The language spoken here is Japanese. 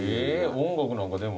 音楽なんかでも。